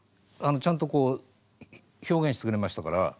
ちゃんとこう表現してくれましたから。